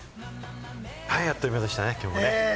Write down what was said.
あっという間でしたね、今日も。